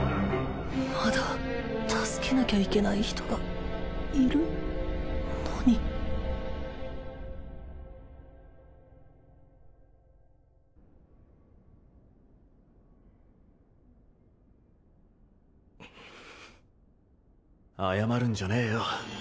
まだ助けなきゃいけない人がいるのに謝るんじゃねえよ